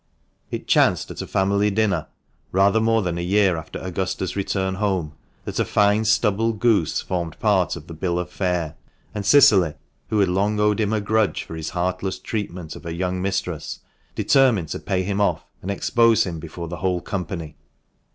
It chanced at a family dinner, THE MANCHESTER MAN. 433 rather more than a year after Augusta's return home, that a fine stubble goose formed part of the bill of fare, and Cicily, who had long owed him a grudge for his heartless treatment of her young mistress, determined to pay him off, and expose him before the whole company.